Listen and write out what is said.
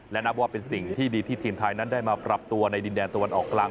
และนับว่าเป็นสิ่งที่ดีที่ทีมไทยนั้นได้มาปรับตัวในดินแดนตะวันออกกลาง